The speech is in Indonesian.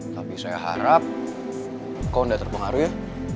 tapi saya harap kau tidak terpengaruh ya